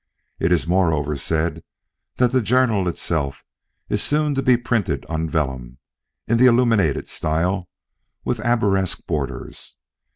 It is moreover said that the journal itself is soon to be printed on vellum, in the illuminated style, with arabesque borders.